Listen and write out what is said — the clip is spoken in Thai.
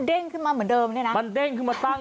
ขึ้นมาเหมือนเดิมเนี่ยนะมันเด้งขึ้นมาตั้ง